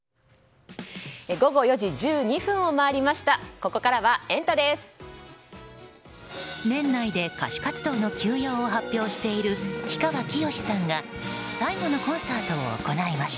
ここからはエンタ！です。